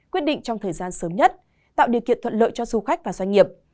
quyết định trong thời gian sớm nhất tạo điều kiện thuận lợi cho du khách và doanh nghiệp